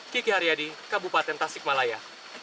kiki haryadi kabupaten tasik malaya